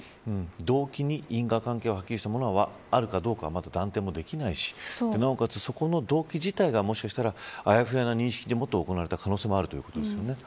動機に因果関係がはっきりしたものはあるかどうかまだ断定もできないしなおかつ、そこの動機自体があやふやな認識でもって行われた可能性もあるということですよね。